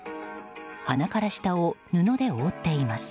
鼻から下を布で覆っています。